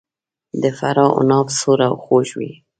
د فراه عناب سور او خوږ وي.